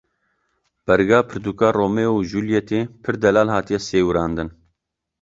Berga pirtûka Romeo û Julîetê pir delal hatiye sêwirandin.